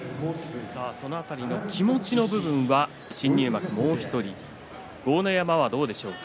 その辺り気持ちの部分は新入幕もう１人豪ノ山はどうでしょうか。